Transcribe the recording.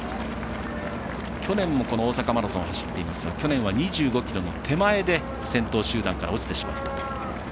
去年もこの大阪マラソンを走っていますが、去年は２５ｋｍの手前で落ちてしまった。